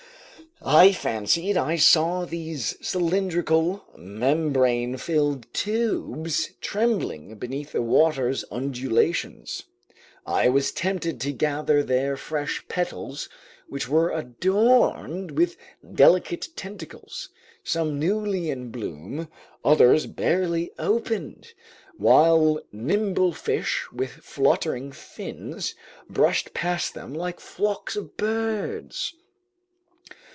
I fancied I saw these cylindrical, membrane filled tubes trembling beneath the water's undulations. I was tempted to gather their fresh petals, which were adorned with delicate tentacles, some newly in bloom, others barely opened, while nimble fish with fluttering fins brushed past them like flocks of birds.